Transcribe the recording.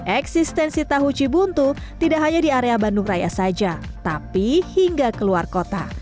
eksistensi tahu cibuntu tidak hanya di area bandung raya saja tapi hingga keluar kota